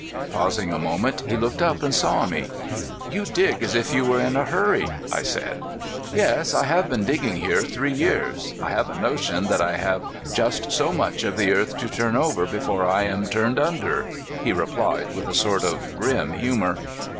Pausing a moment, he looked up and saw me. '' You dig as if you were in a hurry," I said. '* Yes, I have been digging here three years. I have a notion that I have just so much of the earth to turn over before I am turned under," he replied with a sort of grim humor.